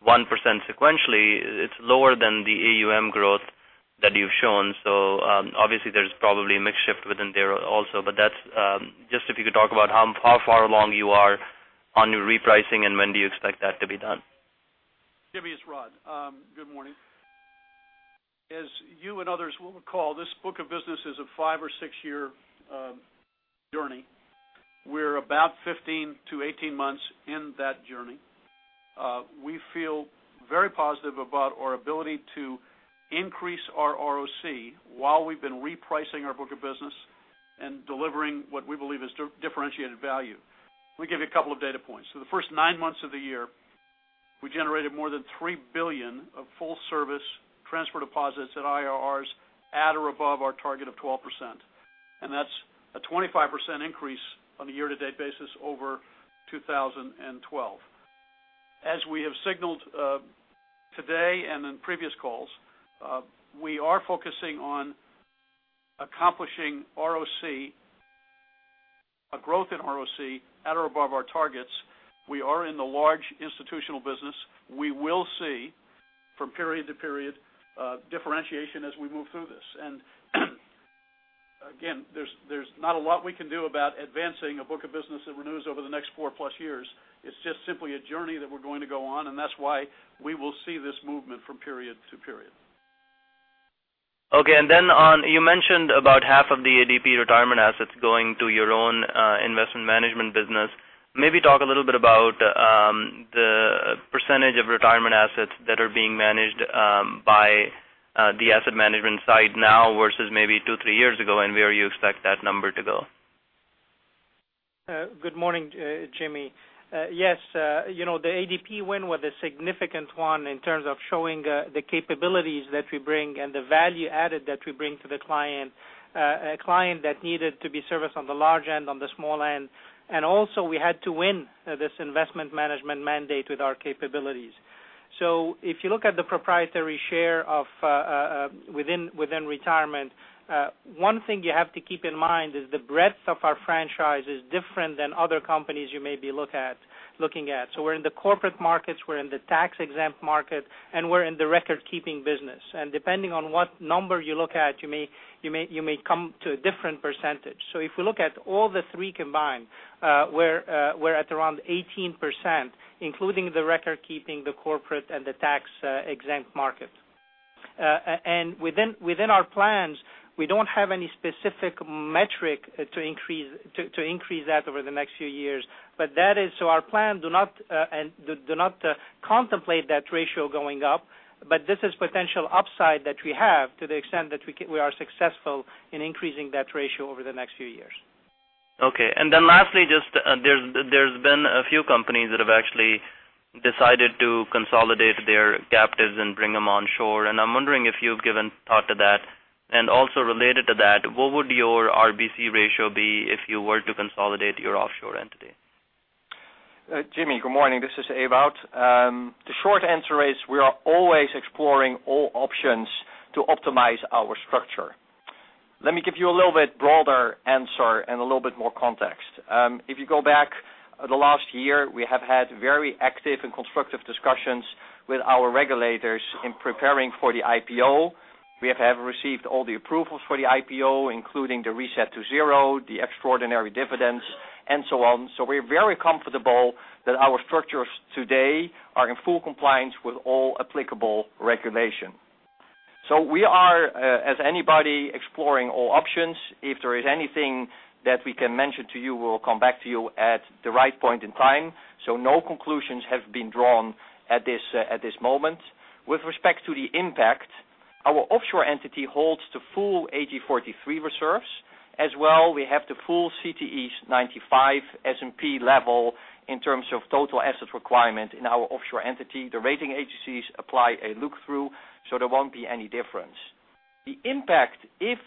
1% sequentially. It's lower than the AUM growth that you've shown. Obviously there's probably a mix shift within there also. That's just if you could talk about how far along you are on your repricing and when do you expect that to be done?
Jimmy, it's Rod. Good morning. As you and others will recall, this book of business is a five or six-year journey. We're about 15 to 18 months in that journey. We feel very positive about our ability to increase our ROC while we've been repricing our book of business and delivering what we believe is differentiated value. Let me give you a couple of data points. The first nine months of the year, we generated more than $3 billion of full service transfer deposits at IRRs at or above our target of 12%, and that's a 25% increase on a year-to-date basis over 2012. As we have signaled, today and in previous calls, we are focusing on accomplishing a growth in ROC at or above our targets. We are in the large institutional business. We will see from period to period, differentiation as we move through this. Again, there's not a lot we can do about advancing a book of business that renews over the next four-plus years. It's just simply a journey that we're going to go on, and that's why we will see this movement from period to period.
Okay. You mentioned about half of the ADP Retirement assets going to your own Investment Management business. Maybe talk a little bit about the percentage of Retirement assets that are being managed by the Investment Management side now versus maybe two, three years ago, and where you expect that number to go.
Good morning, Jimmy. Yes, the ADP win was a significant one in terms of showing the capabilities that we bring and the value added that we bring to the client, a client that needed to be serviced on the large end, on the small end. Also we had to win this Investment Management mandate with our capabilities. If you look at the proprietary share within Retirement, one thing you have to keep in mind is the breadth of our franchise is different than other companies you may be looking at. We're in the corporate markets, we're in the tax-exempt market, and we're in the record-keeping business. Depending on what number you look at, you may come to a different percentage. If we look at all the three combined, we're at around 18%, including the record keeping, the corporate, and the tax-exempt market. Within our plans, we don't have any specific metric to increase that over the next few years. Our plan do not contemplate that ratio going up, but this is potential upside that we have to the extent that we are successful in increasing that ratio over the next few years.
Okay. Lastly, there's been a few companies that have actually decided to consolidate their captives and bring them onshore, and I'm wondering if you've given thought to that. Also related to that, what would your RBC ratio be if you were to consolidate your offshore entity?
Jimmy, good morning. This is Ewout. The short answer is we are always exploring all options to optimize our structure. Let me give you a little bit broader answer and a little bit more context. If you go back the last year, we have had very active and constructive discussions with our regulators in preparing for the IPO. We have received all the approvals for the IPO, including the reset to zero, the extraordinary dividends, and so on. We're very comfortable that our structures today are in full compliance with all applicable regulation. We are, as anybody, exploring all options. If there is anything that we can mention to you, we will come back to you at the right point in time. No conclusions have been drawn at this moment. With respect to the impact, our offshore entity holds the full AG 43 reserves, as well we have the full CTEs 95 S&P level in terms of total assets requirement in our offshore entity. The rating agencies apply a look-through, there won't be any difference. The impact if,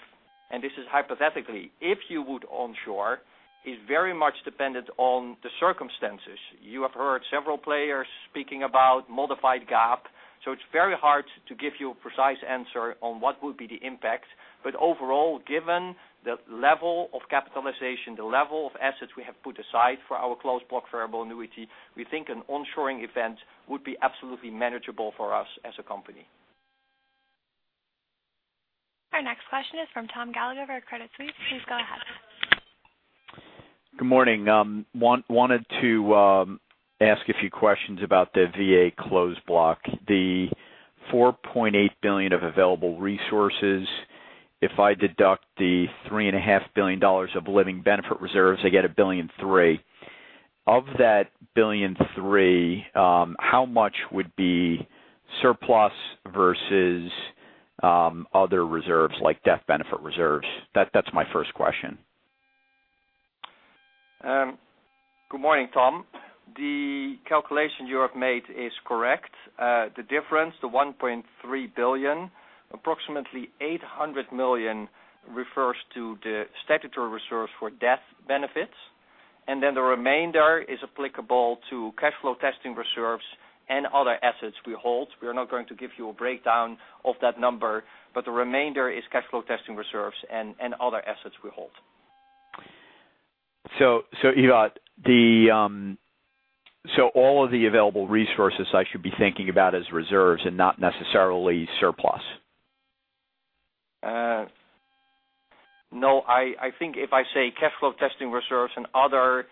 and this is hypothetically, if you would onshore, is very much dependent on the circumstances. You have heard several players speaking about modified GAAP, it's very hard to give you a precise answer on what would be the impact. Overall, given the level of capitalization, the level of assets we have put aside for our closed block variable annuity, we think an onshoring event would be absolutely manageable for us as a company.
Our next question is from Thomas Gallagher of Credit Suisse. Please go ahead.
Good morning. Wanted to ask a few questions about the VA closed block. The $4.8 billion of available resources, if I deduct the $3.5 billion of living benefit reserves, I get $1.3 billion. Of that $1.3 billion, how much would be surplus versus other reserves like death benefit reserves? That's my first question.
Good morning, Tom. The calculation you have made is correct. The difference, the $1.3 billion, approximately $800 million refers to the statutory reserves for death benefits, the remainder is applicable to cash flow testing reserves and other assets we hold. We are not going to give you a breakdown of that number, the remainder is cash flow testing reserves and other assets we hold.
Ewout, all of the available resources I should be thinking about as reserves and not necessarily surplus.
No. I think if I say cash flow testing reserves and other,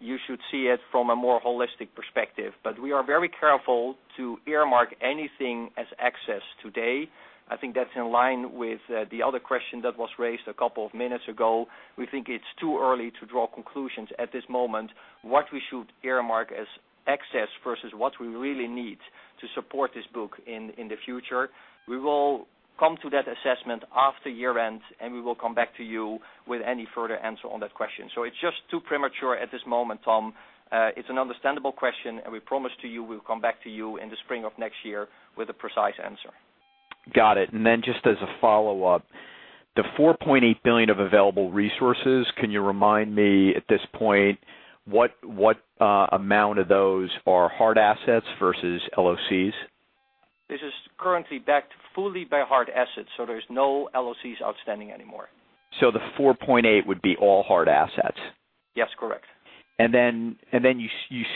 you should see it from a more holistic perspective. We are very careful to earmark anything as excess today. I think that's in line with the other question that was raised a couple of minutes ago. We think it's too early to draw conclusions at this moment, what we should earmark as excess versus what we really need to support this book in the future. We will come to that assessment after year-end, we will come back to you with any further answer on that question. It's just too premature at this moment, Tom. It's an understandable question, we promise to you we'll come back to you in the spring of next year with a precise answer.
Got it. Just as a follow-up, the $4.8 billion of available resources, can you remind me at this point what amount of those are hard assets versus LOCs?
This is currently backed fully by hard assets, there's no LOCs outstanding anymore.
The $4.8 would be all hard assets?
Yes, correct.
You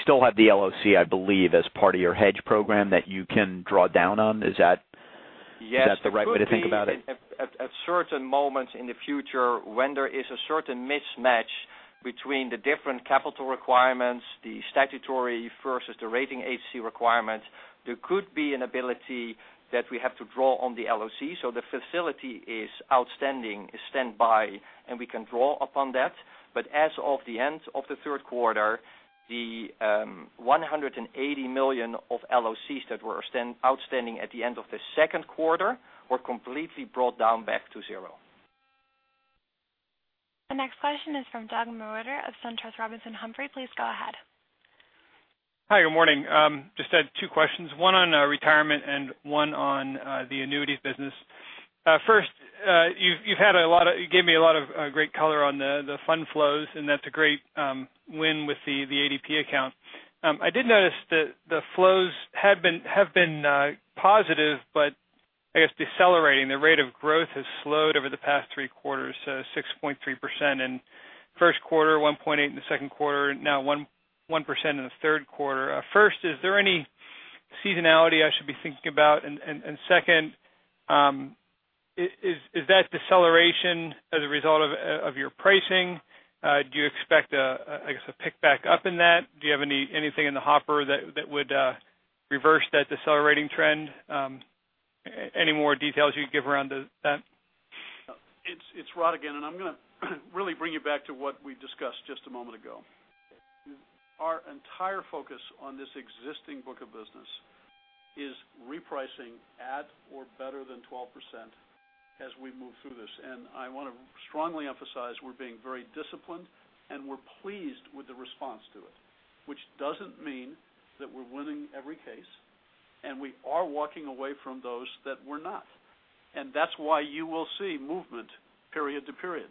still have the LLC, I believe, as part of your hedge program that you can draw down on. Is that.
Yes.
Is that the right way to think about it?
At certain moments in the future when there is a certain mismatch between the different capital requirements, the statutory versus the rating agency requirements, there could be an ability that we have to draw on the LLC. The facility is outstanding, is standby, and we can draw upon that. As of the end of the third quarter, the $180 million of LOCs that were outstanding at the end of the second quarter were completely brought down back to zero.
The next question is from Douglas Mewhirter of SunTrust Robinson Humphrey. Please go ahead.
Hi, good morning. Just had two questions, one on retirement and one on the annuities business. You gave me a lot of great color on the fund flows, and that's a great win with the ADP account. I did notice that the flows have been positive but, I guess, decelerating. The rate of growth has slowed over the past three quarters. 6.3% in first quarter, 1.8 in the second quarter, now 1% in the third quarter. First, is there any seasonality I should be thinking about? Second, is that deceleration as a result of your pricing? Do you expect, I guess, a pick back up in that? Do you have anything in the hopper that would reverse that decelerating trend? Any more details you could give around that?
It's Rod again, and I'm going to really bring you back to what we discussed just a moment ago. Our entire focus on this existing book of business is repricing at or better than 12% as we move through this. I want to strongly emphasize we're being very disciplined, and we're pleased with the response to it. Which doesn't mean that we're winning every case, and we are walking away from those that we're not. That's why you will see movement period to period.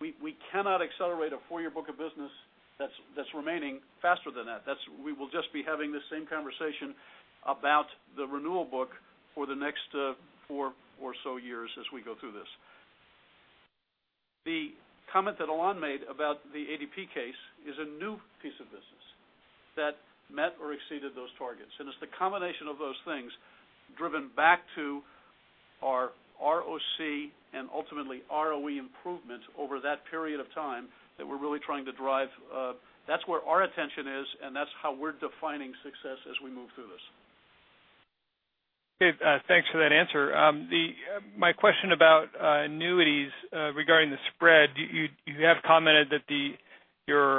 We cannot accelerate a four-year book of business that's remaining faster than that. We will just be having the same conversation about the renewal book for the next four or so years as we go through this. The comment that Alain made about the ADP case is a new piece of business that met or exceeded those targets. It's the combination of those things driven back to our ROC and ultimately ROE improvements over that period of time that we're really trying to drive. That's where our attention is, and that's how we're defining success as we move through this.
Okay, thanks for that answer. My question about annuities, regarding the spread. You have commented that your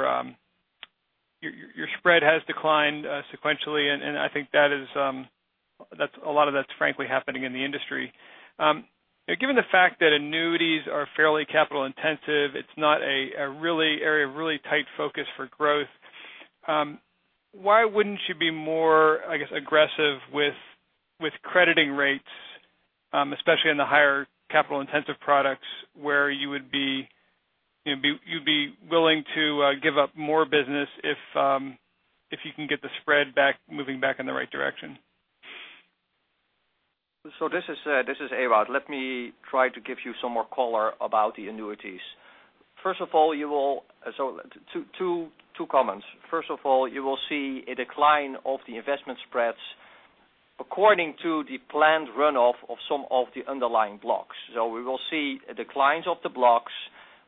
spread has declined sequentially, and I think a lot of that's frankly happening in the industry. Given the fact that annuities are fairly capital intensive, it's not an area of really tight focus for growth. Why wouldn't you be more, I guess, aggressive with crediting rates, especially on the higher capital intensive products, where you'd be willing to give up more business if you can get the spread moving back in the right direction?
This is Ewout. Let me try to give you some more color about the annuities. Two comments. First of all, you will see a decline of the investment spreads according to the planned runoff of some of the underlying blocks. We will see declines of the blocks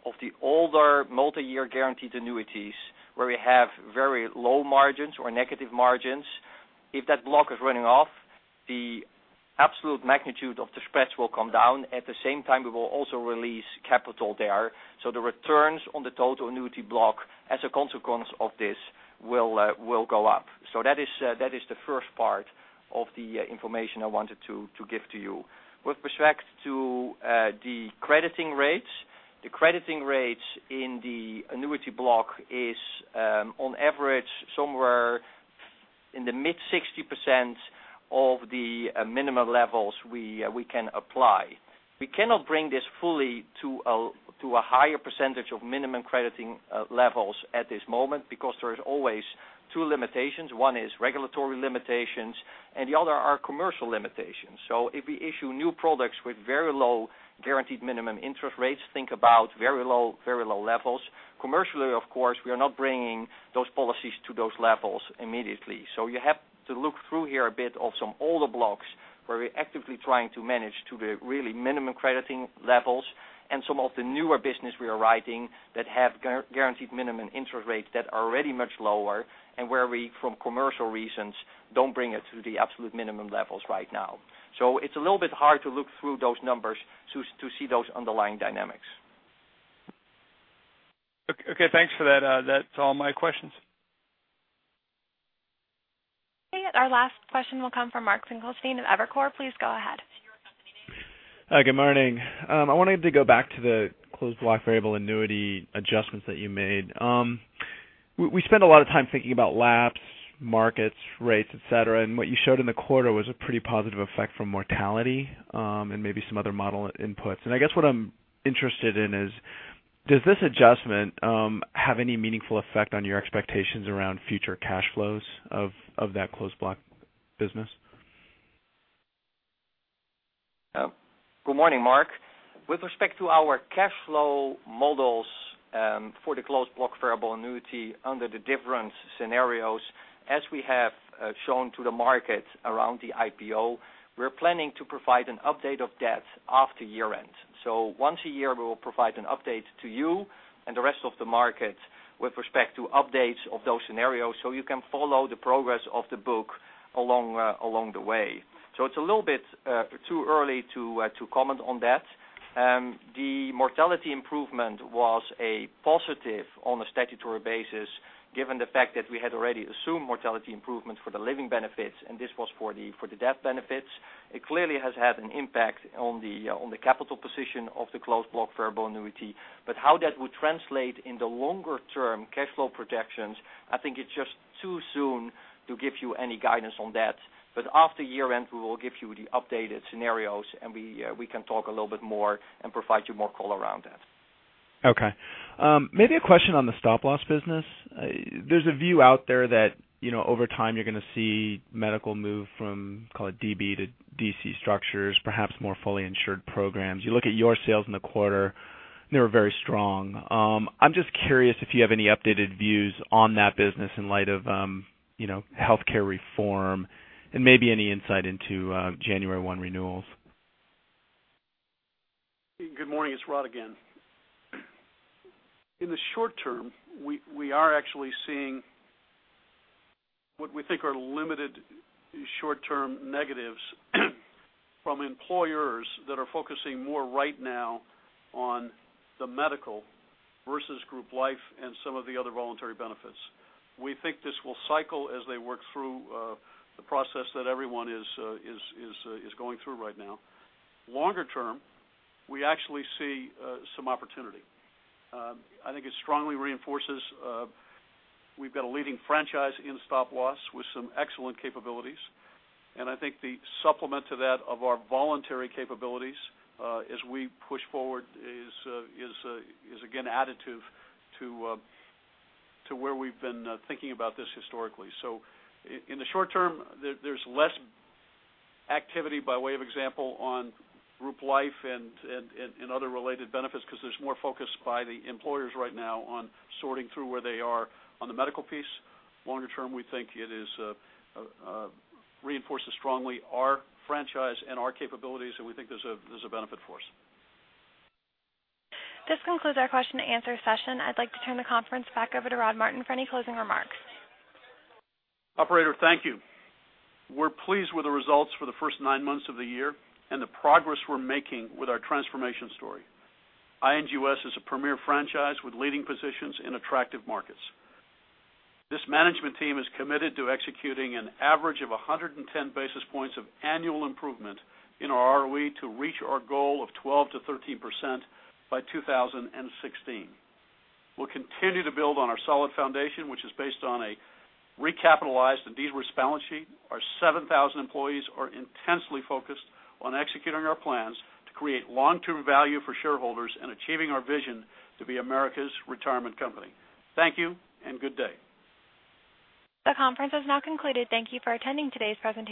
of the older multi-year guaranteed annuities where we have very low margins or negative margins. If that block is running off, the absolute magnitude of the spreads will come down. At the same time, we will also release capital there. The returns on the total annuity block as a consequence of this will go up. That is the first part of the information I wanted to give to you. With respect to the crediting rates, the crediting rates in the annuity block is on average, somewhere in the mid 60% of the minimum levels we can apply. We cannot bring this fully to a higher percentage of minimum crediting levels at this moment because there is always two limitations. One is regulatory limitations, and the other are commercial limitations. If we issue new products with very low guaranteed minimum interest rates, think about very low levels. Commercially, of course, we are not bringing those policies to those levels immediately. You have to look through here a bit of some older blocks where we're actively trying to manage to the really minimum crediting levels and some of the newer business we are writing that have guaranteed minimum interest rates that are already much lower and where we, from commercial reasons, don't bring it to the absolute minimum levels right now. It's a little bit hard to look through those numbers to see those underlying dynamics.
Thanks for that. That's all my questions.
Our last question will come from Mark Finkelstein of Evercore. Please go ahead.
Hi, good morning. I wanted to go back to the closed block variable annuity adjustments that you made. We spend a lot of time thinking about laps, markets, rates, et cetera, and what you showed in the quarter was a pretty positive effect from mortality, and maybe some other model inputs. I guess what I'm interested in is, does this adjustment have any meaningful effect on your expectations around future cash flows of that closed block business?
Good morning, Mark. With respect to our cash flow models for the closed block variable annuity under the different scenarios, as we have shown to the market around the IPO, we're planning to provide an update of that after year-end. Once a year, we will provide an update to you and the rest of the market with respect to updates of those scenarios, so you can follow the progress of the book along the way. It's a little bit too early to comment on that. The mortality improvement was a positive on a statutory basis, given the fact that we had already assumed mortality improvements for the living benefits, and this was for the death benefits. It clearly has had an impact on the capital position of the closed block variable annuity. How that would translate in the longer-term cash flow projections, I think it's just too soon to give you any guidance on that. After year-end, we will give you the updated scenarios, and we can talk a little bit more and provide you more color around that.
Okay. Maybe a question on the stop-loss business. There's a view out there that over time, you're going to see medical move from, call it DB to DC structures, perhaps more fully insured programs. You look at your sales in the quarter, they were very strong. I'm just curious if you have any updated views on that business in light of healthcare reform and maybe any insight into January one renewals.
Good morning. It's Rod again. In the short term, we are actually seeing what we think are limited short-term negatives from employers that are focusing more right now on the medical versus group life and some of the other voluntary benefits. We think this will cycle as they work through the process that everyone is going through right now. Longer term, we actually see some opportunity. I think it strongly reinforces we've got a leading franchise in stop-loss with some excellent capabilities, and I think the supplement to that of our voluntary capabilities as we push forward is again additive to where we've been thinking about this historically. In the short term, there's less activity by way of example on group life and other related benefits because there's more focus by the employers right now on sorting through where they are on the medical piece. Longer term, we think it reinforces strongly our franchise and our capabilities, and we think there's a benefit for us.
This concludes our question and answer session. I'd like to turn the conference back over to Rod Martin for any closing remarks.
Operator, thank you. We're pleased with the results for the first nine months of the year and the progress we're making with our transformation story. ING U.S. is a premier franchise with leading positions in attractive markets. This management team is committed to executing an average of 110 basis points of annual improvement in our ROE to reach our goal of 12%-13% by 2016. We'll continue to build on our solid foundation, which is based on a recapitalized and de-risked balance sheet. Our 7,000 employees are intensely focused on executing our plans to create long-term value for shareholders and achieving our vision to be America's retirement company. Thank you, and good day.
The conference has now concluded. Thank you for attending today's presentation.